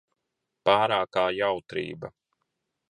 Pārākā jautrība.